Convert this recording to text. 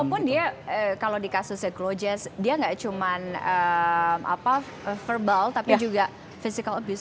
walaupun dia kalau di kasusnya gloges dia nggak cuma verbal tapi juga physical abuse